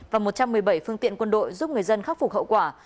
và một trăm một mươi bảy phương tiện quân đội giúp người dân khắc phục hậu quả